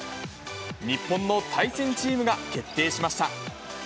日本の対戦チームが決定しました。